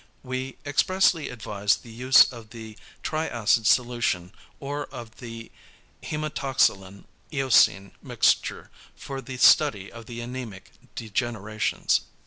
(We expressly advise the use of the triacid solution or of the hæmatoxylin eosine mixture for the study of the anæmic degenerations.)